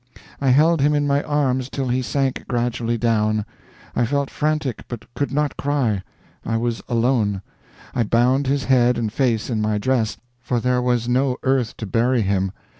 I held him in my arms till he sank gradually down. I felt frantic, but could not cry. I was alone. I bound his head and face in my dress, for there was no earth to bury him.